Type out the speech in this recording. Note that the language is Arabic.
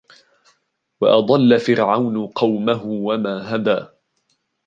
وأضل فرعون قومه وما هدى